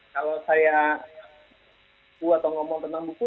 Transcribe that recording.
kalau saya bu atau ngomong tentang buku